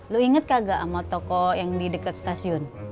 lu inget kagak sama toko yang di deket stasiun